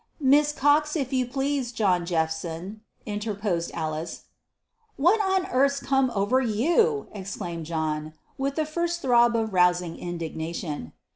"Miss Cox, if you please, John Jephson," interposed Alice. "What on 'arth's come over you?" exclaimed John, with the first throb of rousing indignation.